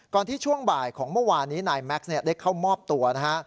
ที่ช่วงบ่ายของเมื่อวานนี้นายแม็กซ์ได้เข้ามอบตัวนะฮะ